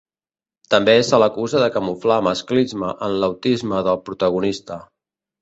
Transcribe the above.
També se l'acusa de camuflar masclisme en l'autisme del protagonista.